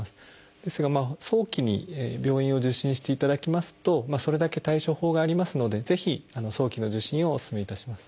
ですが早期に病院を受診していただきますとそれだけ対処法がありますのでぜひ早期の受診をおすすめいたします。